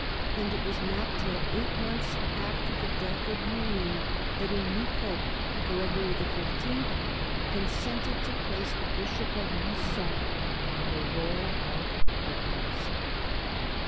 And it was not till eight months after the death of Luynes that a new Pope, Gregory XV., consented to place the Bishop of Lu^on upon the roll of Cardinals.